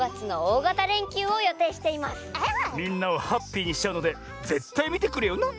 みんなをハッピーにしちゃうのでぜったいみてくれよな！